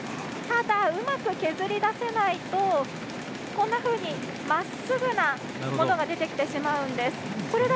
ただ、うまく削り出せないとこんなふうにまっすぐなものが出てきてしまうんです。